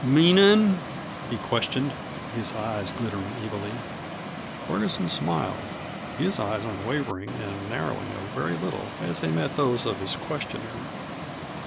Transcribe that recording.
"Meanin'?" he questioned, his eyes glittering evilly. Ferguson smiled, his eyes unwavering and narrowing a very little as they met those of his questioner.